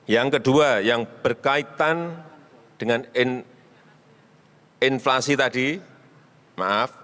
yang kedua yang berkaitan dengan inflasi tadi maaf